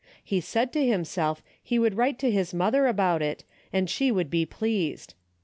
He said to himself he would write to his mother about it and she Avould be pleased.